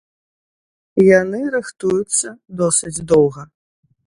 Яны рыхтуюцца досыць доўга.